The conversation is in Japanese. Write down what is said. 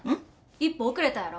１歩遅れたやろ。